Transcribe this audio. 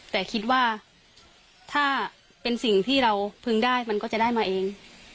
แต่คิดว่าถ้าเป็นสิ่งที่เราพึงได้มันก็จะได้มาเอง